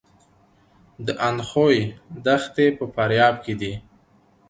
د اندخوی دښتې په فاریاب کې دي